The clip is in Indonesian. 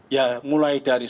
ya mulai dari